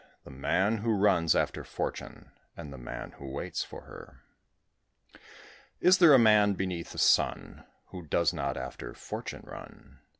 THE MAN WHO RUNS AFTER FORTUNE, AND THE MAN WHO WAITS FOR HER. Is there a man beneath the sun, Who does not after Fortune run?